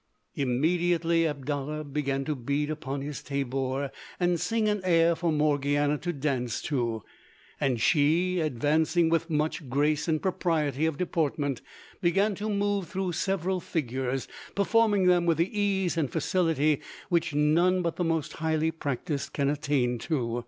] Immediately Abdallah began to beat upon his tabor and sing an air for Morgiana to dance to; and she, advancing with much grace and propriety of deportment, began to move through several figures, performing them with the ease and facility which none but the most highly practised can attain to.